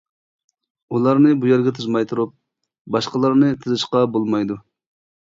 ئۇلارنى بۇ يەرگە تىزماي تۇرۇپ، باشقىلارنى تىزىشقا بولمايدۇ.